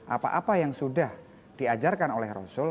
apa apa yang sudah diajarkan oleh rasul